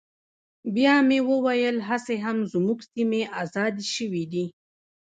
بيا مې وويل هسې هم زموږ سيمې ازادې سوي دي.